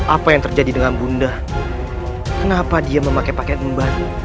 apa yang terjadi dengan bunda kenapa dia memakai pakaian embar